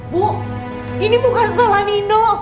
bu ini bukan salah nino